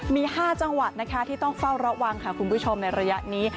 มี๕จังหวัดนะคะที่ต้องเฝ้าระวังค่ะคุณผู้ชมในระยะนี้